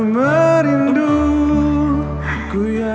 sakit sakit aduh duh